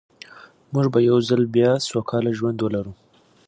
موږ به یو ځل بیا یو سوکاله ژوند ولرو.